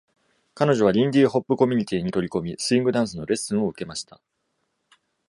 彼女はリンディ・ホップ・コミュニティに取り組み、スイングダンスのレッスンを受けました。